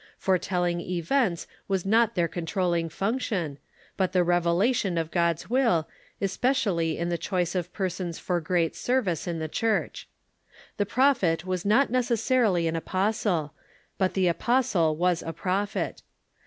Foretelling events Avas not their controlling function, but the rcA^elation of God's Avill, especially in the choice of persons for great service in the Church. The prophet was not necessarily an apostle, but the apostle was a prophet.